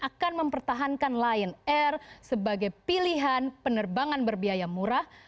akan mempertahankan lion air sebagai pilihan penerbangan berbiaya murah